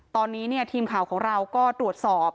ตอนนี้ทีมข่าวของเราก็ตรวจสอบ